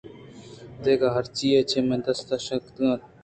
دگہ ہرچی ئےچہ مئے دست ءَ شتگ اَت